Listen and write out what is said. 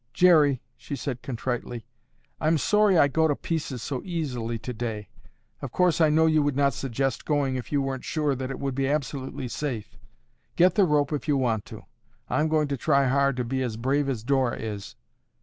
"Jerry," she said contritely, "I'm sorry I go to pieces so easily today. Of course I know you would not suggest going if you weren't sure that it would be absolutely safe. Get the rope if you want to. I'm going to try hard to be as brave as Dora is."